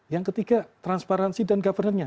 yang ketiga transparansi dan governernya